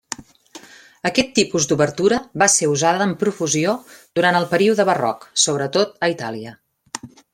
Aquest tipus d'obertura va ser usada amb profusió durant el període barroc, sobretot a Itàlia.